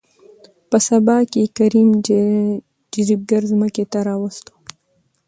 په سبا يې کريم جريب ګر ځمکې ته راوستو.